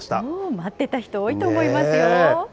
待ってた人、多いと思いますよ。